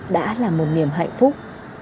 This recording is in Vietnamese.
đã là một niềm hạnh phúc